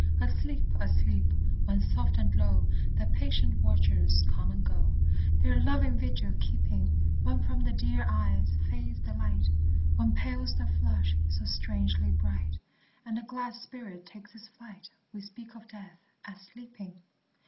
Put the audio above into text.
Asleep! asleep! when soft and low The patient watchers come and go, Their loving vigil keeping; When from the dear eyes fades the light, When pales the flush so strangely bright, And the glad spirit takes its flight, We speak of death as "sleeping."